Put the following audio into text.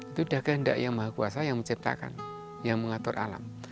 itu dah kehendak yang maha kuasa yang menciptakan yang mengatur alam